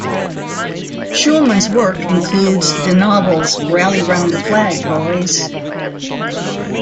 Shulman's works include the novels Rally Round the Flag, Boys!